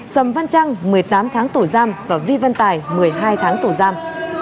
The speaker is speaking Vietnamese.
sầm văn trăng một mươi tám tháng tổ giam và vi văn tài một mươi hai tháng tổ giam